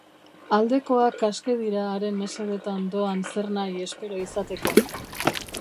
Aldekoak aske dira haren mesedetan doan zernahi espero izateko.